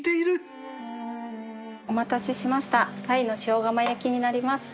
お待たせしました鯛の塩釜焼きになります。